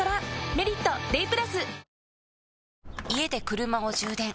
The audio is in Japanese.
「メリットＤＡＹ＋」